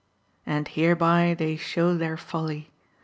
And hereby they show their folly.